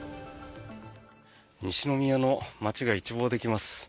西宮の街が一望できます。